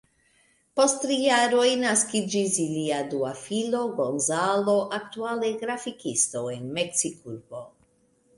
Post tri jaroj, naskiĝis ilia dua filo, Gonzalo, aktuale grafikisto en Meksikurbo.